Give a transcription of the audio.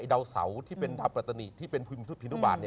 เดาเสาที่เป็นดาวปรัตนีที่เป็นพินทุบาท